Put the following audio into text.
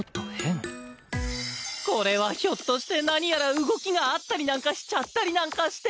これはひょっとして何やら動きがあったりなんかしちゃったりなんかして！